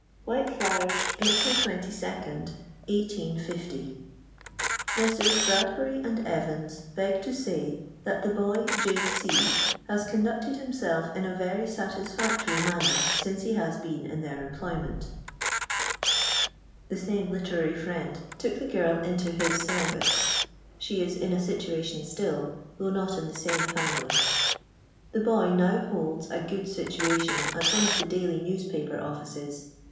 " Whitcfriara. April 22, 185a " McMr«. Br.idbury and Kvans beg to say that the l)oy J. r. has conductcil himtelf in a very satisfactory manner sinve he has been in their employment" The same literary friend took the girl into bit service. She is in a situation still, though not in the same fismily. The boy now holds a good situation at one of the daily newspaper offices.